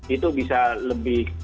itu bisa lebih